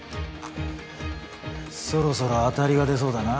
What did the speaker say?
そろそろ当たりが出そうだな。